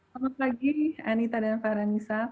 selamat pagi anita dan fara nisa